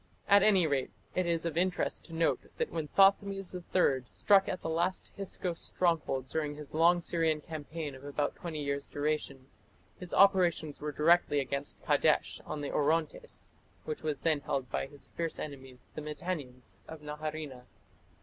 At any rate it is of interest to note that when Thothmes III struck at the last Hyksos stronghold during his long Syrian campaign of about twenty years' duration, his operations were directly against Kadesh on the Orontes, which was then held by his fierce enemies the Mitannians of Naharina.